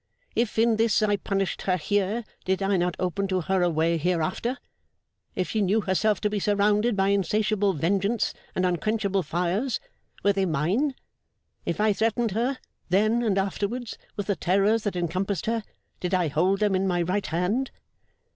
If, in this, I punished her here, did I not open to her a way hereafter? If she knew herself to be surrounded by insatiable vengeance and unquenchable fires, were they mine? If I threatened her, then and afterwards, with the terrors that encompassed her, did I hold them in my right hand?